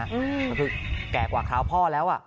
ก็คือแก่กว่าคราวพ่อแล้ว